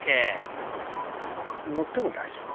乗っても大丈夫。